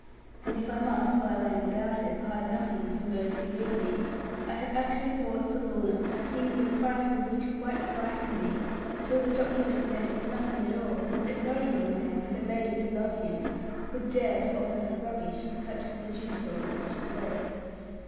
And if I must while I am about it, hide nothing from those who read me, I had actually bought for Lorna a thing the price of which quite frightened me, till the shopkeeper said it was nothing at all, and that no young man, with a lady to love him, could dare to offer her rubbish, such as the Jew sold across the way.